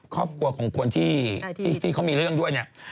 ครอบครัวของคนที่เขามีเรื่องด้วยเนี่ย